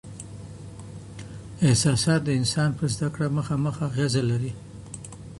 احساسات د انسان پر زده کړه مخامخ اغیزه لري.